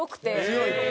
強いの？